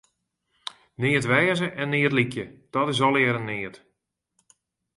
Neat wêze en neat lykje, dat is allegearre neat.